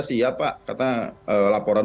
siap pak karena laporan